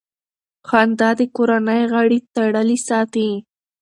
خندا د کورنۍ غړي تړلي ساتي.